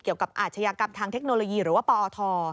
เกี่ยวกับอาชญากับทางเทคโนโลยีหรือว่าปอท